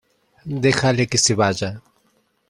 dejale que se vaya.